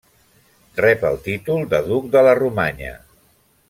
Rep el títol de duc de la Romanya.